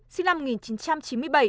sinh năm một nghìn chín trăm chín mươi bảy